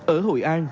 ở hội an